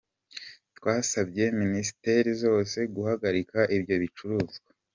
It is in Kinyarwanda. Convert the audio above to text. Twasabye Minisiteri zose guhagarika ibyo bicuruzwa”.